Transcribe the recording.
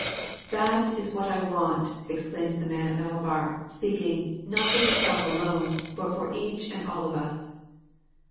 'That is what I want!' exclaims the man at Malabar, speaking, not for himself alone, but for each and all of us.